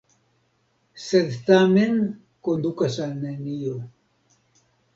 Sed tamen kondukas al nenio.